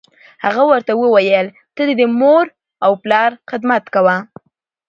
هغه ورته وویل: ته دې د مور و پلار خدمت کوه.